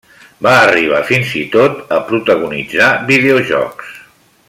Va arribar fins i tot a protagonitzar videojocs.